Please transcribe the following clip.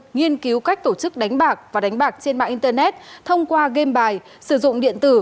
nghiên cứu cách tổ chức đánh bạc và đánh bạc trên mạng internet thông qua game bài sử dụng điện tử